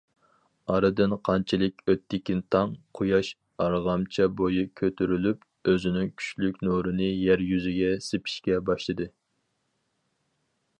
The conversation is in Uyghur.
ئارىدىن قانچىلىك ئۆتتىكىنتاڭ، قۇياش ئارغامچا بويى كۆتۈرۈلۈپ، ئۆزىنىڭ كۈچلۈك نۇرىنى يەر يۈزىگە سېپىشكە باشلىدى.